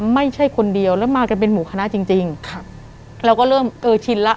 ไม่ใช่คนเดียวแล้วมากันเป็นหมู่คณะจริงจริงครับเราก็เริ่มเออชินแล้ว